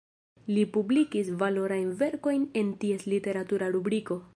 Li publikis valorajn verkojn en ties literatura rubriko.